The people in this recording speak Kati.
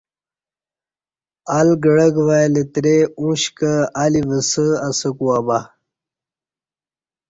ال گعک وای لتری اوش کہ الی وسہ اسہ کوبہ نہ